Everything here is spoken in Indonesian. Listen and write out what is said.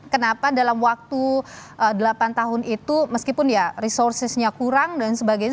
kenapa dalam waktu delapan tahun itu meskipun ya resourcesnya kurang dan sebagainya